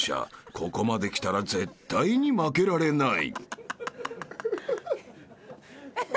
［ここまできたら絶対に負けられない］